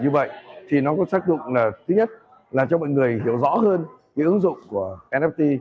như vậy thì nó có tác dụng là thứ nhất là cho mọi người hiểu rõ hơn cái ứng dụng của fpt